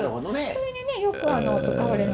それによく使われる